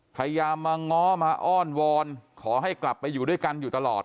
พยายามมาง้อมาอ้อนวอนขอให้กลับไปอยู่ด้วยกันอยู่ตลอด